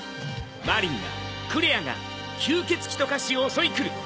マリンがクレアが吸血鬼と化し襲いくる。